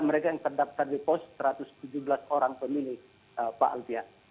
mereka yang terdaftar di pos satu ratus tujuh belas orang pemilih pak alpian